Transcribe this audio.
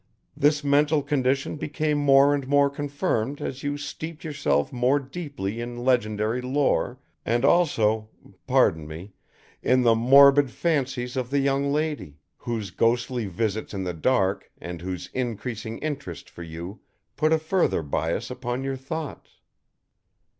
This mental condition became more and more confirmed as you steeped yourself more deeply in legendary lore and also pardon me in the morbid fancies of the young lady; whose ghostly visits in the dark and whose increasing interest for you put a further bias upon your thoughts."